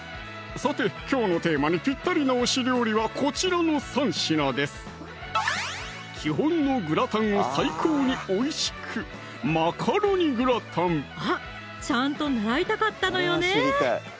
さてきょうのテーマにぴったりな推し料理はこちらの３品です基本のグラタンを最高においしくあっちゃんと習いたかったのよね